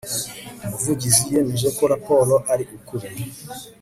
umuvugizi yemeje ko raporo ari ukuri